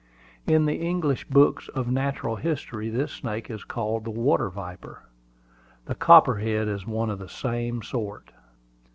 In the English books of natural history this snake is called the water viper. The copperhead is one of the same sort.